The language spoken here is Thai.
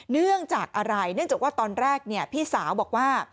เนื่องจากอะไรเนื่องจากว่าตอนแรกพี่สาวบอกว่า